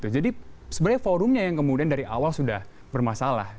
jadi sebenarnya forumnya yang kemudian dari awal sudah bermasalah